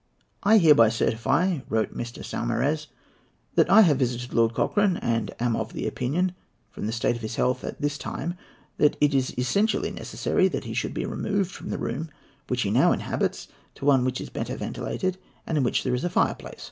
"I hereby certify," wrote Mr. Saumarez, "that I have visited Lord Cochrane, and am of opinion, from the state of his health at this time, that it is essentially necessary that he should be removed from the room which he now inhabits to one which is better ventilated, and in which there is a fireplace.